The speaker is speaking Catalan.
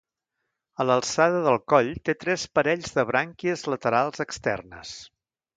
A l'alçada del coll té tres parells de brànquies laterals externes.